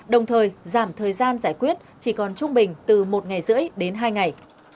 đồng thời giảm thời gian giải quyết chỉ còn trung bình từ một ngày rưỡi đến hai ngày